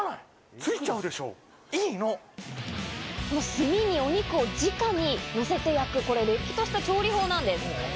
炭にお肉を直に乗せて焼く、これれっきとした調理法なんです。